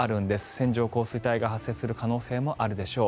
線状降水帯が発生する可能性もあるでしょう。